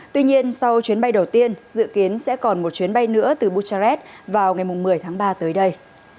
tuy nhiên sau chuyến bay đầu tiên dự kiến sẽ còn một chuyến bay nữa từ buchares vào ngày một mươi tháng ba tới đây